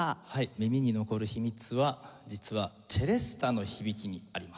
耳に残る秘密は実はチェレスタの響きにあります。